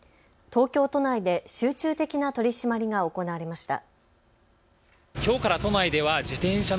東京都内で集中的な取締りが行われました。